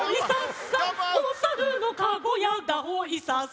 「おさるのかごやだほいさっさ！」